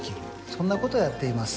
そんなことをやっています